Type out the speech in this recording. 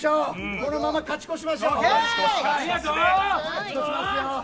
このまま勝ち越しましょう。